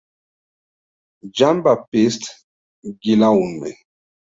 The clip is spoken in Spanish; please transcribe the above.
Jean-Baptiste Guillaume.